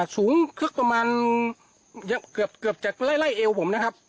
สูงคึกประมาณเกือบจะไล่เอวผมนะครับ